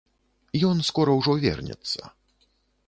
Ён скора ўжо вернецца.